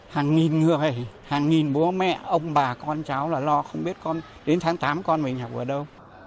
hàng nghìn người hàng nghìn bố mẹ ông bà con cháu là lo không biết con đến tháng tám con mình học ở đâu